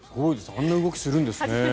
あんな動きするんですね。